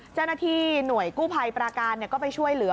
เจ้าหน้าที่หน่วยกู้ภัยปราการก็ไปช่วยเหลือ